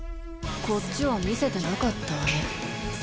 こっちは見せてなかったわね。